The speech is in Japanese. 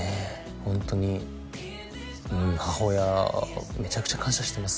ホントにうん母親めちゃくちゃ感謝してます